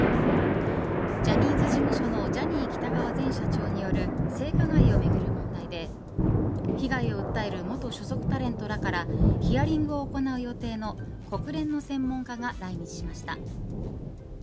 ジャニーズ事務所のジャニー喜多川前社長による性加害をめぐる問題で被害を訴える元所属タレントらからヒアリングを行う予定の国連の専門家が来日しました。